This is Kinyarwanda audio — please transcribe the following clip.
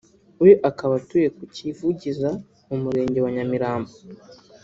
we akaba atuye ku Cyivugiza mu murenge wa Nyamirambo